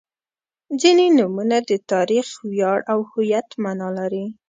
• ځینې نومونه د تاریخ، ویاړ او هویت معنا لري.